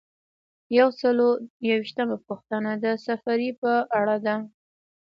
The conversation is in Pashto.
یو سل او یو ویشتمه پوښتنه د سفریې په اړه ده.